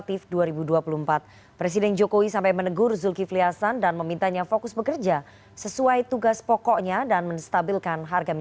tidak secara kantor tidak diibarkan